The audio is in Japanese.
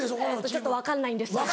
ちょっと分かんないんですけど。